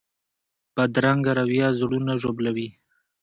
بدرنګه رویه زړونه ژوبلوي